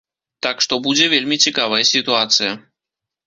Так што будзе вельмі цікавая сітуацыя.